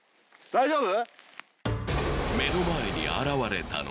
大丈夫？